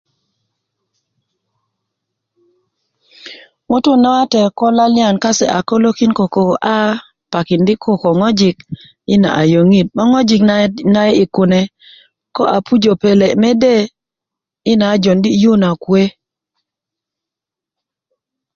ŋutuu nawate ko laliyan kase a kölökin koko a pakindi' koko ko ŋojik yina a yöŋit 'boŋ ko ŋoji na'yi'yik kune a pujö pele' mede a yina jowundi' yi na kuwe